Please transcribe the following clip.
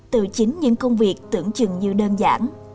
từ chính những công việc tưởng chừng như đơn giản